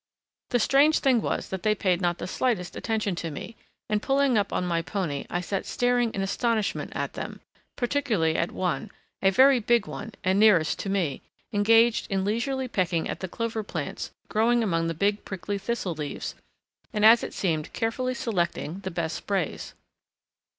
The strange thing was that they paid not the slightest attention to me, and pulling up my pony I sat staring in astonishment at them, particularly at one, a very big one and nearest to me, engaged in leisurely pecking at the clover plants growing among the big prickly thistle leaves, and as it seemed carefully selecting the best sprays.